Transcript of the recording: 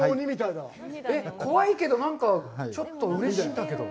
えっ、怖いけど、ちょっとうれしいんだけど。